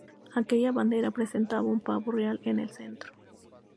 Aquella bandera presentaba un pavo real en el centro.